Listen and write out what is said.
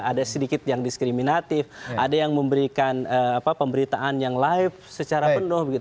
ada sedikit yang diskriminatif ada yang memberikan pemberitaan yang live secara penuh